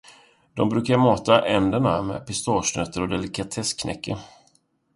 De brukade mata änderna med pistagenötter och delikatessknäcke.